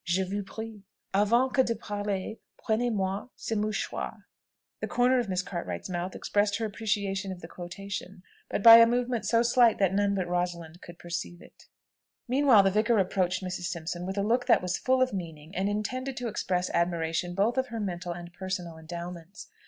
je vous prie, Avant que de parler, prenez moi ce mouchoir" &c. The comer of Miss Cartwright's mouth expressed her appreciation of the quotation, but by a movement so slight that none but Rosalind could perceive it. Meanwhile the vicar approached Mrs. Simpson with a look that was full of meaning, and intended to express admiration both of her mental and personal endowments.